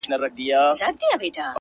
زه د رنگونو د خوبونو و زوال ته گډ يم!!